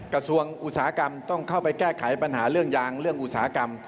อุตสาหกรรมต้องเข้าไปแก้ไขปัญหาเรื่องยางเรื่องอุตสาหกรรม